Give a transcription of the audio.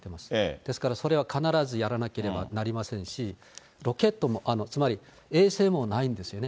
ですから、それは必ずやらなければなりませんし、ロケットも、衛星もないんですよね。